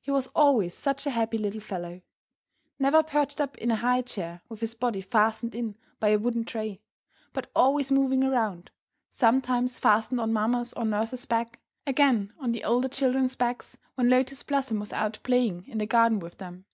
He was always such a happy little fellow; never perched up in a high chair with his body fastened in by a wooden tray, but always moving around, sometimes on the floor, sometimes fastened on mamma's or nurse's back, again on the older children's backs, when Lotus Blossom was out playing in the garden with them.